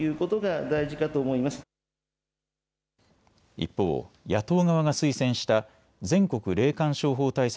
一方、野党側が推薦した全国霊感商法対策